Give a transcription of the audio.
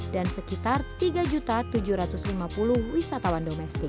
dan sekitar tiga tujuh ratus lima puluh wisatawan